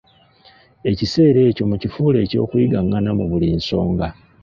Ekiseera ekyo mukifuule eky'okuyigangana mu buli nsonga.